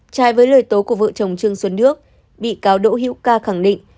trái với lời tố của vợ chồng trương xuân đức bị cáo đỗ hiễu ca khẳng định